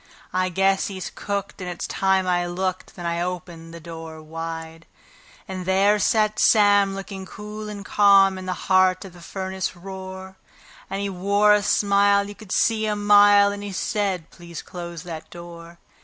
I guess he's cooked, and it's time I looked";. .. then the door I opened wide. And there sat Sam, looking cool and calm, in the heart of the furnace roar; And he wore a smile you could see a mile, and he said: "Please close that door.